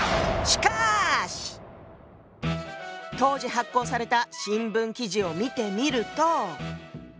当時発行された新聞記事を見てみると。